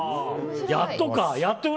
やっとか。